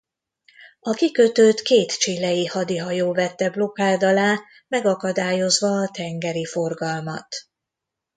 A kikötőt két chilei hadihajó vette blokád alá megakadályozva a tengeri forgalmat.